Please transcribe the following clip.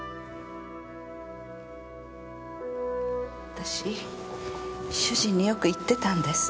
私主人によく言ってたんです。